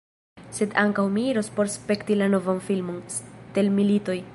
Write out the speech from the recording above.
Sed ankaŭ mi iros por spekti la novan filmon, stelmilitoj